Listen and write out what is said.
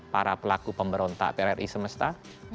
para pelaku pemberontak tri semesta